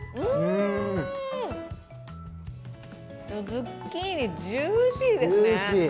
ズッキーニ、ジューシーですね。